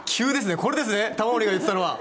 これですね玉森が言ってたのは。